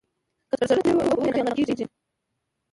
که سرغړونه ترې وکړې ناغه کېږې .